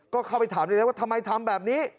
ก็เข้าไปถามเลยนะว่าทำไมทำแบบนี้